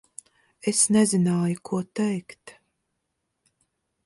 Es nezināju, ko teikt.